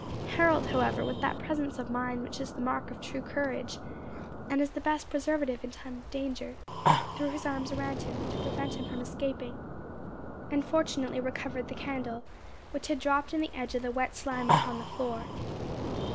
Harold, however, with that presence of mind which is the mark of true courage, and is the best preservative in time of danger, threw his arms around him, to prevent him from escaping, and fortunately recovered the candle, which had dropped in the edge of the wet slime upon the floor.